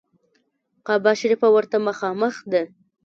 کعبه شریفه ورته مخامخ ده.